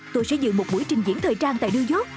tôi sẽ dựng một buổi trình diễn thời trang tại new york